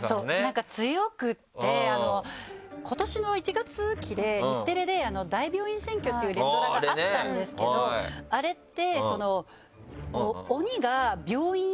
なんか強くって今年の１月期で日テレで『大病院占拠』っていう連ドラがあったんですけどあれって。